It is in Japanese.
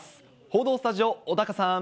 報道スタジオ、小高さん。